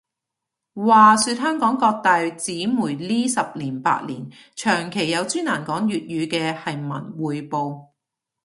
話說香港各大紙媒呢十年八年，長期有專欄講粵語嘅係文匯報